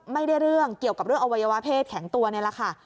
เรื่องเกี่ยวกับเรื่องอวัยวะเพศแข็งตัวนี่แหละค่ะ